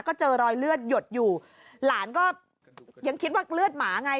ก็เจอรอยเลือดหยดอยู่หลานก็ยังคิดว่าเลือดหมาไง